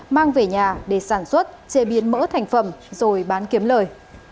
mang về nhà để sản xuất chế biến mỡ thành phẩm rồi bán kiếm lời